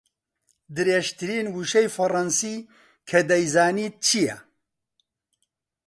درێژترین وشەی فەڕەنسی کە دەیزانیت چییە؟